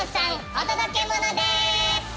お届けモノです！